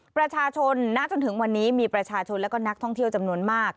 ประชาชนณจนถึงวันนี้มีประชาชนและก็นักท่องเที่ยวจำนวนมาก